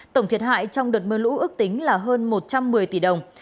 tổng thiệt hại trong đợt mưa lũ ước tính là hơn một trăm một mươi tỷ đồng